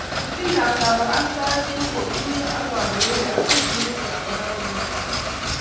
Pik ab kabarastet ko kotuyo ak kandoik ab sikulit ab barak inoton